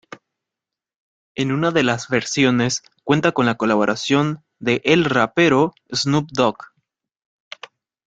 En una de las versiones, cuenta con la colaboración de el rapero Snoop Dogg.